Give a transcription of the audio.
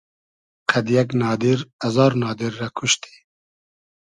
قئد یئگ نادیر ازار نادیر رۂ کوشتی